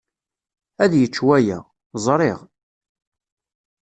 Ad yečč waya. Ẓriɣ.